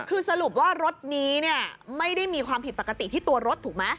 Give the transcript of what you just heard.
คือสรุปว่ารถนี้เนี่ยไม่ได้มีความผิดปกติที่ตัวรถถูกไหม